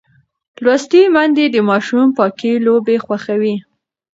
لوستې میندې د ماشوم پاکې لوبې خوښوي.